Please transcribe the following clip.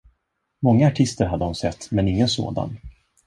Många artister hade hon sett, men ingen sådan.